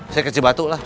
saya ke cibatu lah